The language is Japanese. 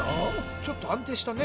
ちょっと安定したね。